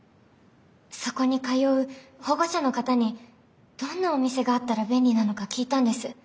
そこに通う保護者の方にどんなお店があったら便利なのか聞いたんです。